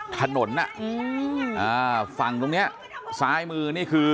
ถนนอ่ะอืมอ่าฝั่งตรงเนี้ยซ้ายมือนี่คือ